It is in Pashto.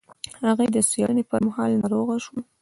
هغې د څېړنې پر مهال ناروغه شوه.